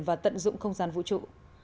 và tận dụng không gian vũ trụ